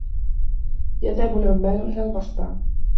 يَذْهَبُ الْعُمَّالُ إِلَى الْمَصْنَعِ.